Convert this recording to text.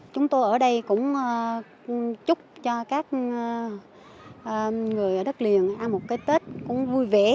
chúng tôi ở đây cũng chúc cho các người ở đất liền một cái tết cũng vui vẻ